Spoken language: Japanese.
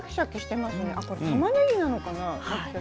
たまねぎなのかな。